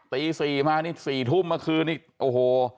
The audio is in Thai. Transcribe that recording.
ตี๔มานี่๔ทุ่มเมื่อคืนนี้โอ้โห